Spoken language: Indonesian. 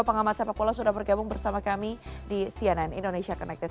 pengamat sepak bola sudah bergabung bersama kami di cnn indonesia connected